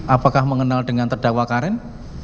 apakah mengenal dengan terdakwa karin